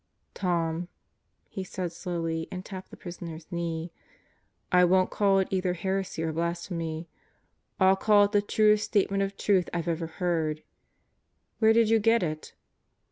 "Tom," he said slowly and tapped the prisoner's knee, "I won't call it either heresy or blasphemy. I'll call it the truest statement of truth I've ever heard. Where did you get it?"